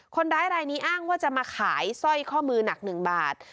คนร้ายรายนี้อ้างว่าจะมาขายสร้อยข้อมือหนัก๑บาท